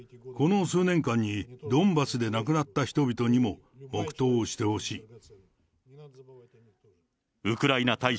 この数年間にドンバスで亡くなった人々にも黙とうをしてほしい。